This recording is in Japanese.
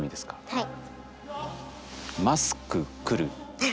はい。